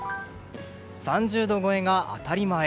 ３０度超えが当たり前。